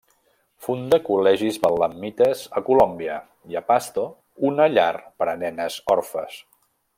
Funda col·legis betlemites a Colòmbia, i a Pasto una llar per a nenes orfes.